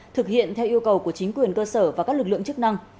thực hiện theo yêu cầu của chính quyền cơ sở và các lực lượng chức năng